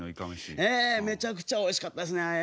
ええめちゃくちゃおいしかったですね。